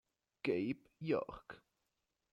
Gabe York